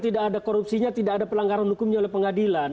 tidak ada korupsinya tidak ada pelanggaran hukumnya oleh pengadilan